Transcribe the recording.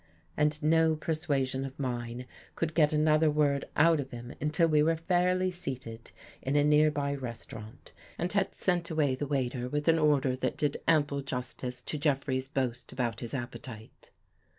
And no persuasion of mine could get another word out of him until we were fairly seated in a near by restaurant and had sent away the waiter with an order that did ample justice to Jeffrey's boast about his appetite.